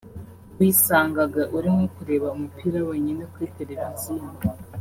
wisangaga uri nko kureba umupira wenyine kuri televiziyo